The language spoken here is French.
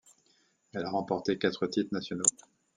Elle a remporté quatre titres nationaux.